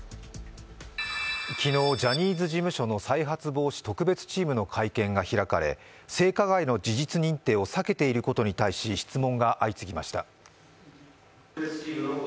昨日、ジャニーズ事務所の再発防止特別チームの会見が開かれ、性加害の事実認定を避けていることに対し質問が相次ぎました。